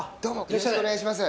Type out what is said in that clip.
よろしくお願いします。